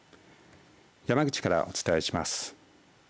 山口からお伝えします。